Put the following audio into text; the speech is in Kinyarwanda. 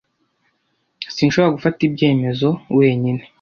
Sinshobora gufata ibyemezo wenyine.